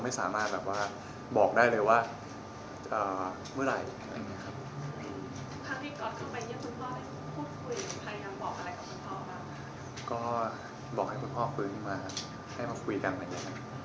มีสัญญาณอะไรไหมครับเช่นขยันเมื่อกับหรือเปล่า